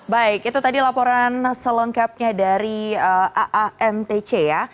baik itu tadi laporan selengkapnya dari aamtc ya